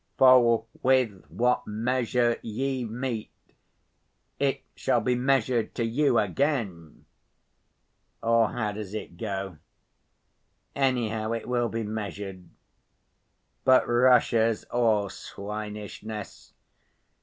'For with what measure ye mete it shall be measured to you again,' or how does it go? Anyhow, it will be measured. But Russia's all swinishness.